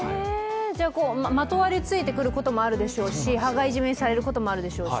まとわりついてくることもあるでしょうし、羽交い締めにされることもあるでしょうし。